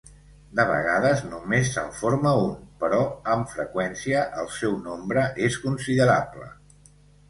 De vegades només se'n forma un, però amb freqüència el seu nombre és considerable.